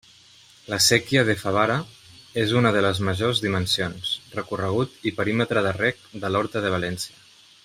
La séquia de Favara és una de les de majors dimensions, recorregut i perímetre de reg de l'horta de València.